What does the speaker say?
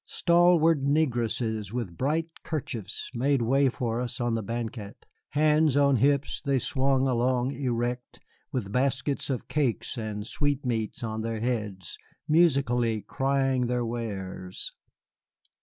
Stalwart negresses with bright kerchiefs made way for us on the banquette. Hands on hips, they swung along erect, with baskets of cakes and sweetmeats on their heads, musically crying their wares.